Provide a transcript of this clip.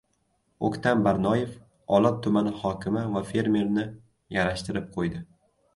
O‘ktam Barnoyev Olot tumani hokimi va fermerni yarashtirib qo‘ydi